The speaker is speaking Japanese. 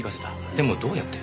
でもどうやって？